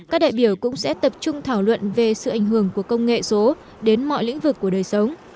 các đại biểu cũng sẽ tập trung thảo luận về sự ảnh hưởng của công nghệ số đến mọi lĩnh vực của đời sống